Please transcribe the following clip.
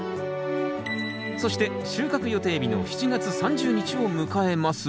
そして収穫予定日の７月３０日を迎えます。